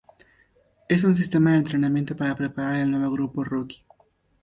Es un sistema de entrenamiento para preparar el nuevo grupo rookie.